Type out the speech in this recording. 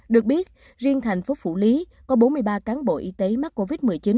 được biết riêng thành phố phủ lý có bốn mươi ba cán bộ y tế mắc covid một mươi chín